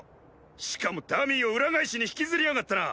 しかもダミーを裏返しに引きずりやがったな。